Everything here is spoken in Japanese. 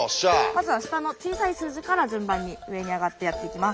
まずは下の小さい数字から順番に上に上がってやっていきます。